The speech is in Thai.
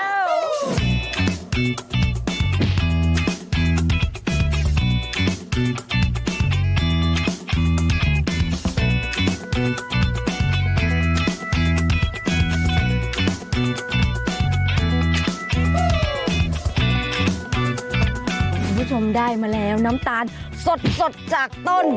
คุณผู้ชมได้มาแล้วน้ำตาลสดจากต้น